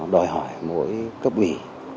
đòi hỏi mỗi cấp ủy